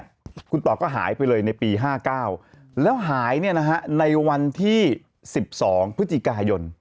แล้วนั้นเนี่ยคุณตอบก็หายไปเลยในปี๕๙แล้วหายในวันที่๑๒ภุศจิกาย่อน